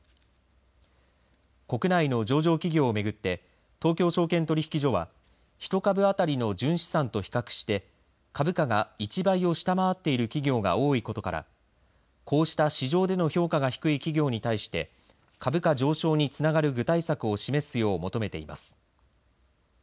国内の上場企業を巡って東京証券取引所は１株当たりの純資産と比較して株価が１倍を下回っている企業が多いことからこうした市場での評価が低い企業に対して株価上昇につながる具体策を示すよう求めています。